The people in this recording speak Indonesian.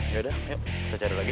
ya udah yuk kita cari lagi